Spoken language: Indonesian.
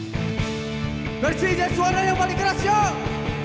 berisi suara yang paling keras joe